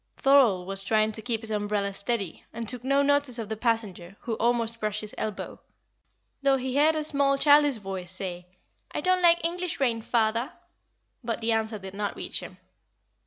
Thorold was trying to keep his umbrella steady, and took no notice of the passenger, who almost brushed his elbow though he heard a small, childish voice say, "I don't like English rain, father." But the answer did not reach him.